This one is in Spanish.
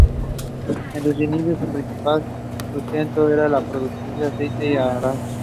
En sus inicios, su principal sustento era la producción de aceite de arenque.